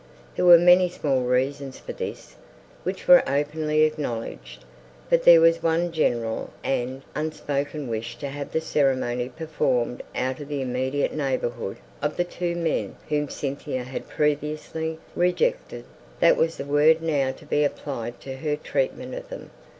There were many small reasons for this, which were openly acknowledged; but there was one general and unspoken wish to have the ceremony performed out of the immediate neighbourhood of the two men whom Cynthia had previously rejected; that was the word now to be applied to her treatment of them.